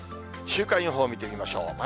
週間予報を見てみましょう。